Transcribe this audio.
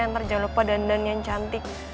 ntar jangan lupa dandan yang cantik